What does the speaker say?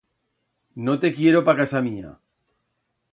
No te quiero pa casa mía.